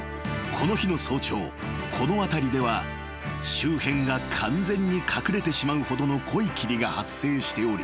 この日の早朝この辺りでは周辺が完全に隠れてしまうほどの濃い霧が発生しており］